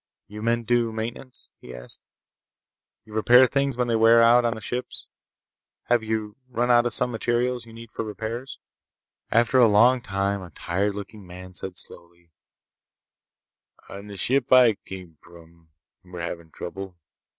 "You men do maintenance?" he asked. "You repair things when they wear out on the ships? Have you run out of some materials you need for repairs?" After a long time a tired looking man said slowly: "On the ship I come from, we're having trouble.